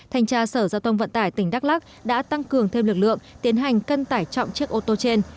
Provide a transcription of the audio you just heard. thanh tra sở giao thông vận tải tỉnh đắk lắc đã tăng cường thêm lực lượng tiến hành cân tải trọng chiếc ô tô trên